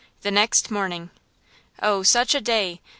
THE NEXT MORNING. Oh, such a day!